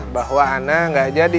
bahwa anda gak jadi